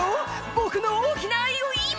僕の大きな愛を今すぐ」